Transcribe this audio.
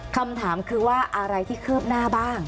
คำถามคือว่าอะไรที่คืบหน้าบ้าง